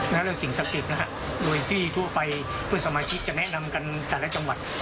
หรือสะกิดโดยที่ทั่วไปเพื่อสมาชิกจะแนะนำกันแต่ละจังหวัด